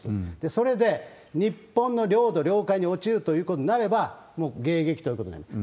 それで日本の領土、領海に落ちるということになれば、もう迎撃ということになります。